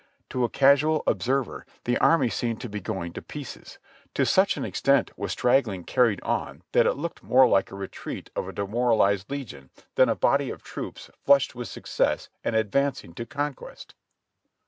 To a casual observer the army seemed to be going to pieces ; to such an extent was straggling carried INTO MARYLAND 2/1 on that it looked more like the retreat of a demoralized legion than a body of troops flushed with success and advancing to con quest.